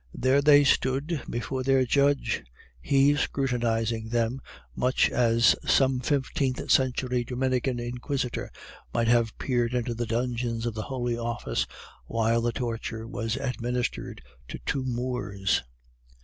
There they stood before their judge, he scrutinizing them much as some fifteenth century Dominican inquisitor might have peered into the dungeons of the Holy Office while the torture was administered to two Moors.